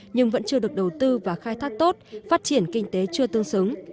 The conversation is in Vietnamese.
nhưng vẫn chưa được đầu tư và khai thác tốt phát triển kinh tế chưa tương xứng